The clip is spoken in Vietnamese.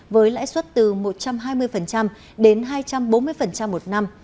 với lãi suất từ một trăm hai mươi đến hai trăm bốn mươi một năm